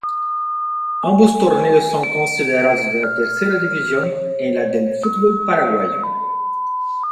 Ambos torneos son considerados de la Tercera División en la del fútbol paraguayo.